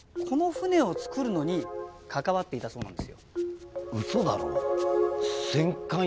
この船を造るのに関わっていたそうなんですよ嘘だろ？